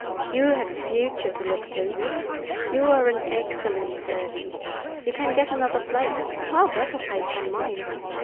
You have a future to look to. You are an excellent servant; you can get another place—a far better place than mine.